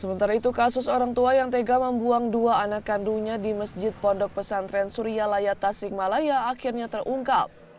sementara itu kasus orang tua yang tega membuang dua anak kandungnya di masjid pondok pesantren suryalaya tasikmalaya akhirnya terungkap